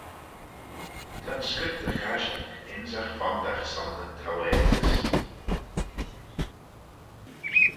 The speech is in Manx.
Ta'n Scriptyr Casherick ynsagh fondagh son nyn taualtys.